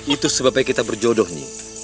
itu sebabnya kita berjodoh nih